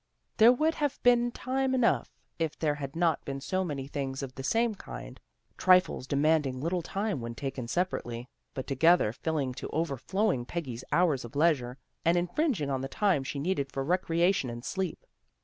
There would have been time enough if there had not been so many things of the same kind; trifles demanding little tune when taken separately, but together filling to overflowing Peggy's hours of leisure, and infringing on the time she needed for recreation and sleep.